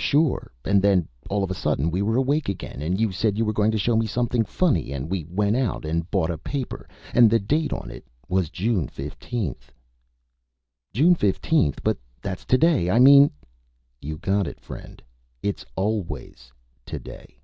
"Sure. And then all of a sudden we were awake again, and you said you were going to show me something funny, and we went out and bought a paper. And the date on it was June 15th." "June 15th? But that's today! I mean " "You got it, friend. It's always today!"